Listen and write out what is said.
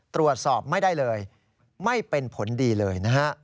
ตรวจสอบไม่ได้เลยไม่เป็นผลดีเลยนะฮะ